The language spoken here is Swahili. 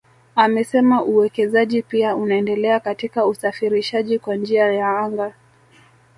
Amesema uwekezaji pia unaendelea katika usafirishaji kwa njia ya anga